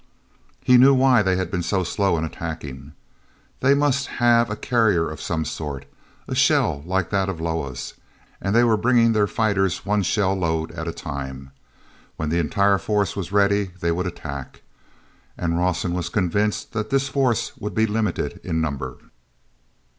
He knew why they had been so slow in attacking. They must have a carrier of some sort, a shell like that of Loah's, and they were bringing their fighters one shell load at a time. When the entire force was ready they would attack. And Rawson was convinced that this force would be limited in number.